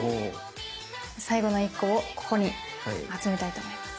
最後の１個をここに集めたいと思います。